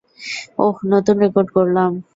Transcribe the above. ওহ, নতুন রেকর্ড গড়লাম।